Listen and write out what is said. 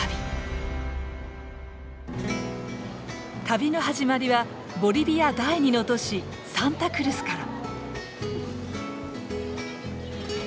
旅の始まりはボリビア第２の都市サンタクルスから。